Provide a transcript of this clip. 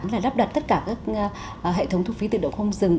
là lắp đặt tất cả các hệ thống thu phí tự động không dừng